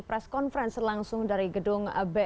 press conference langsung dari gedung b